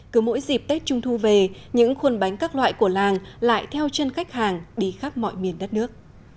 cứ mỗi dịp tết trung thu về những khuôn bánh các loại của làng lại theo chân khách hàng đi khắp mọi miền đất nước